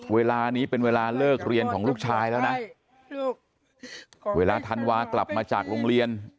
เวลานี้เป็นเวลาเลิกเรียนของลูกชายแล้วนะเวลาธันวากลับมาจากโรงเรียน